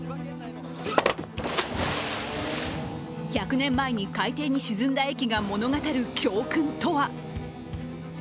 １００年前に海底に沈んだ駅が物語る教訓とは。